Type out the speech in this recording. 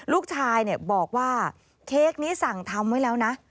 ลูกชายบอกว่าเค้กนี้สั่งทำไว้แล้วนะ